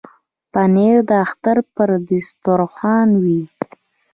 پنېر د اختر پر دسترخوان وي.